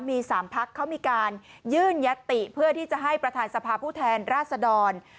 มี๓พักเขามีการยื่นยัตติเพื่อที่จะให้ประธานสภาพผู้แทนราชดร